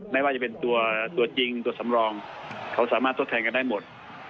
ไม่ว่าจะเป็นตัวจริงตัวสำรองเขาสามารถทดแทนกันได้หมด